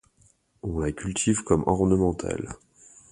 On la cultive comme ornementale.